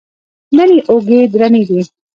نن یې اوږې درنې دي.